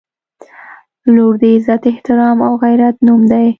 • لور د عزت، احترام او غیرت نوم دی.